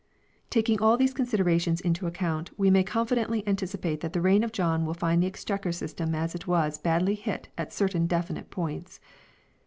1 Taking all these considerations into account we may confidently anticipate, that the reign of John will find the Exchequer system as it was badly hit at certain definite points.